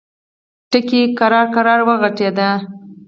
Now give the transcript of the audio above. ټکی ورو، ورو غټېده.